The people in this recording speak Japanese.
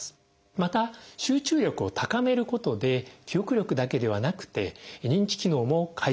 また集中力を高めることで記憶力だけではなくて認知機能も改善されます。